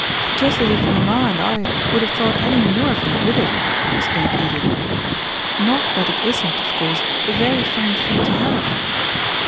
"Just as if mamma and I would have thought any more of you with it," exclaimed Edith; "not that it isn't, of course, a very fine thing to have."